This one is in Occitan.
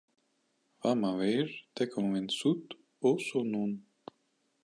Vam a veir, t’é convençut, òc o non?